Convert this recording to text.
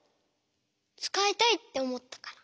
つかいたいっておもったから。